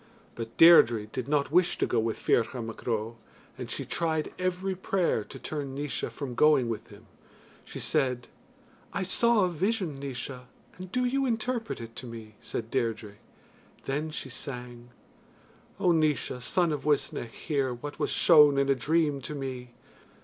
But Deirdre did not wish to go with Ferchar Mac Ro, and she tried every prayer to turn Naois from going with him she said: "I saw a vision, Naois, and do you interpret it to me," said Deirdre then she sang: O Naois, son of Uisnech, hear What was shown in a dream to me.